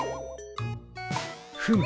フム。